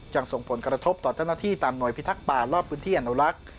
ส่งผลกระทบต่อเจ้าหน้าที่ตามหน่วยพิทักษ์ป่ารอบพื้นที่อนุรักษ์